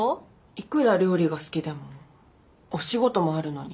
いくら料理が好きでもお仕事もあるのに